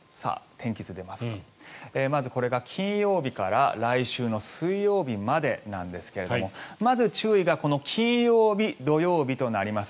まずこれが、金曜日から来週の水曜日までなんですがまず、注意が金曜日、土曜日となります。